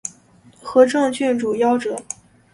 和政郡主夭折。